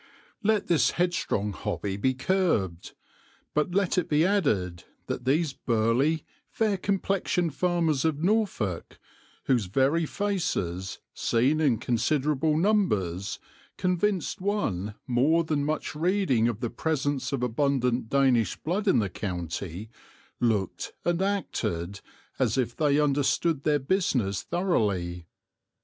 Let this headstrong hobby be curbed; but let it be added that these burly, fair complexioned farmers of Norfolk, whose very faces, seen in considerable numbers, convinced one more than much reading of the presence of abundant Danish blood in the county, looked and acted as if they understood their business thoroughly.